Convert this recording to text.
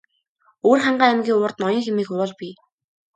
Өвөрхангай аймгийн урд Ноён хэмээх уул бий.